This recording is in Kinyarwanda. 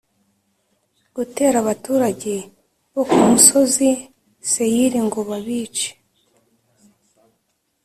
Gutera abaturage bo ku musozi seyiri ngo babice